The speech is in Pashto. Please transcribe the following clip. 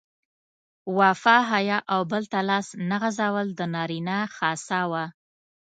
وفا، حیا او بل ته لاس نه غځول د نارینه خاصه وه.